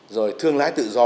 rồi thương lái tự do